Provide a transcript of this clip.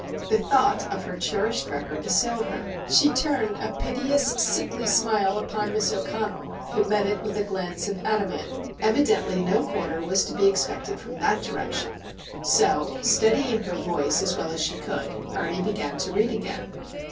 The thought of her cherished record assailed her. She turned a piteous, sickly smile upon Miss O'Connell, who met it with a glance of adamant. Evidently no quarter was to be expected from that direction. So, steadying her voice as well as she could, Ernie began to read again.